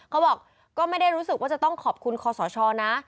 เขาบอกก็ไม่ได้รู้สึกว่าจะต้องขอบคุณคอสชนะ